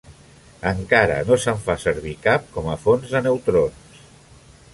Encara no se'n fa servir cap com a fonts de neutrons.